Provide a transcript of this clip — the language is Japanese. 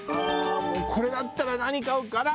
これだったら何買おうかな？